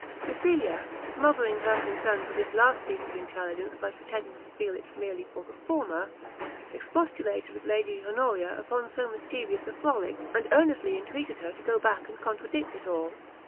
Cecilia, smothering her concern for this last piece of intelligence by pretending to feel it merely for the former, expostulated with Lady Honoria upon so mischievous a frolic, and earnestly entreated her to go back and contradict it all.